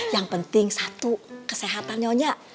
yang penting satu kesehatan nyonya